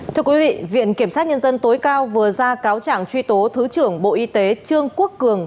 thưa quý vị viện kiểm sát nhân dân tối cao vừa ra cáo trạng truy tố thứ trưởng bộ y tế trương quốc cường